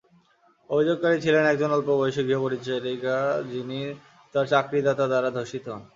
অভিযোগকারী ছিলেন একজন অল্প বয়সী গৃহপরিচারিকা, যিনি তাঁর চাকরিদাতা দ্বারা ধর্ষিত হন।